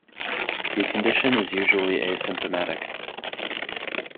The condition is usually asymptomatic.